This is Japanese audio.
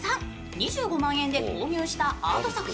２５万円で購入したアート作品